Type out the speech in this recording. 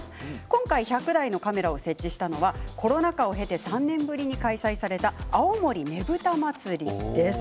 今回、１００台のカメラを設置したのはコロナ禍を経て３年ぶりに開催された青森ねぶた祭です。